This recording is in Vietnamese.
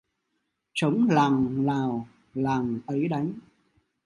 Trống làng nào làng ấy đánh.